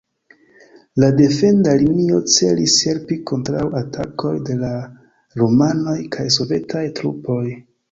La defenda linio celis helpi kontraŭ atakoj de la rumanaj kaj sovetaj trupoj.